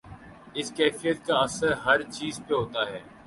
اس کیفیت کا اثر ہر چیز پہ ہوتا ہے۔